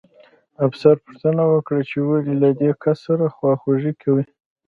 افسر پوښتنه وکړه چې ولې له دې کس سره خواخوږي کوئ